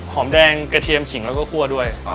หอมแดงกระเทียมขิงแล้วก็คั่วด้วย